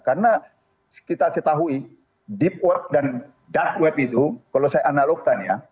karena kita ketahui deep web dan dark web itu kalau saya analogkan ya